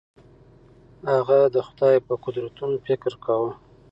هغه د خدای په قدرتونو فکر کاوه.